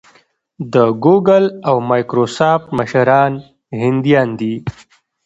د ګوګل او مایکروسافټ مشران هندیان دي.